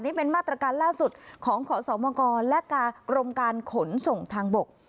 นี่เป็นมาตรการล่าสุดของขอสมกรและกรมการขนส่งทางบก